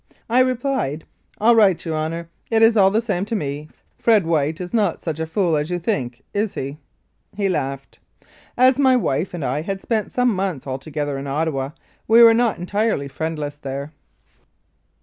" I replied, "All right, your Honour, it is all the same to me. Fred White is not such a fool as you might think, is he ?" He laughed. As my wife and I had spent some months altogether in Ottawa, we were not entirely friendless there.